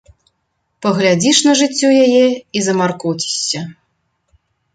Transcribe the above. Паглядзіш на жыццё яе і замаркоцішся.